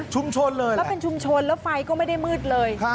เลยแล้วเป็นชุมชนแล้วไฟก็ไม่ได้มืดเลย